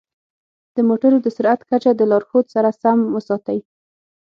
د موټرو د سرعت کچه د لارښود سره سم وساتئ.